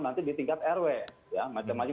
nanti di tingkat rw ya macam macam